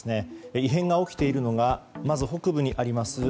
異変が起きているのがまず北部にあります